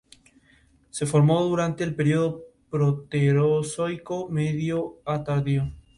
Los comandaba el capitán Diego de Betancourt.